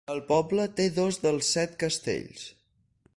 El poble té de dos dels set castells.